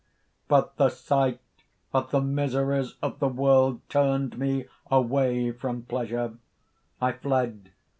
"But the sight of the miseries of the world turned me away from pleasure. I fled.